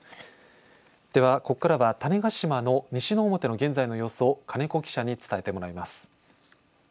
では、ここからは種子島の西之表の現在の様子を金子記者に伝えてもらいます。